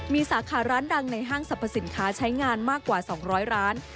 มีสาขาร้านดังในห้างสรรพสินค้าใช้งานมากกว่า๒๐๐ร้าน